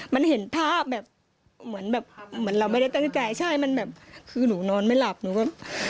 มันเห็นภาพแบบเหมือนแบบเหมือนเราไม่ได้ตั้งใจใช่มันแบบคือหนูนอนไม่หลับหนูก็